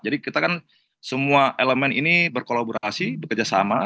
jadi kita kan semua elemen ini berkolaborasi bekerjasama